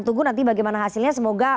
tunggu nanti bagaimana hasilnya semoga